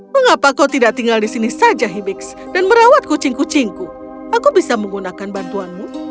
mengapa kau tidak tinggal di sini saja hibis dan merawat kucing kucingku aku bisa menggunakan bantuanmu